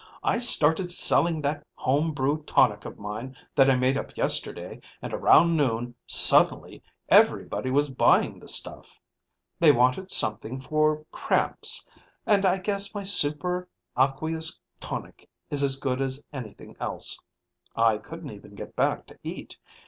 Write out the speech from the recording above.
I started selling that homebrew tonic of mine that I made up yesterday, and around noon, suddenly everybody was buying the stuff. They wanted something for cramps, and I guess my Super Aqueous Tonic is as good as anything else. I couldn't even get back to eat.